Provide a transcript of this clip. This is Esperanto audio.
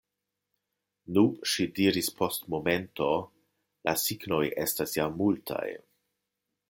Nu, ŝi diris post momento, la signoj estas ja multaj.